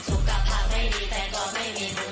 สุขภาพไม่ดีแต่ก็ไม่มี